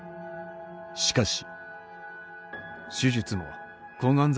しかし。